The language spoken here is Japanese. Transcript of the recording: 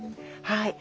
はい。